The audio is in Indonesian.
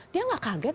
dia nggak kaget